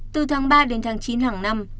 từ tháng ba đến tháng chín hàng năm